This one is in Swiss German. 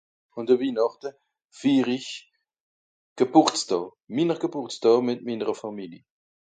àn de winàchte fir'isch gebùrtsdaa minner gebùrtsdaa mìt minnere famili